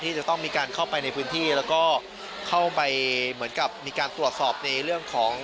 จะต้องมีการเข้าไปในพื้นที่แล้วก็เข้าไปเหมือนกับมีการตรวจสอบในเรื่องของ